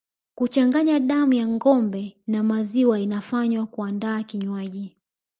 Kuchanganya damu ya ngombe na maziwa inafanywa kuandaa kinywaji